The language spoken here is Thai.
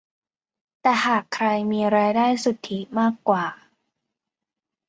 แต่หากใครมีรายได้สุทธิมากกว่า